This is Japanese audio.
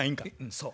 そう。